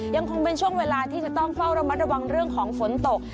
ยังคงเป็นช่วงเวลาที่จะต้องเฝ้าระมัดระวังเรื่องของฝนตก